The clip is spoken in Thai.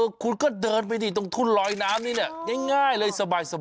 คุณก็เดินไปดิตรงทุ่นลอยน้ำนี่เนี่ยง่ายเลยสบาย